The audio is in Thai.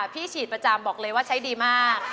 พี่ฉีดประจำบอกเลยว่าใช้ดีมาก